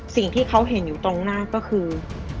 สิ่งที่เขาเห็นอยู่ตรงหน้าก็คือ